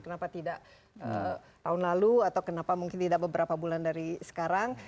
kenapa tidak tahun lalu atau kenapa mungkin tidak beberapa bulan dari sekarang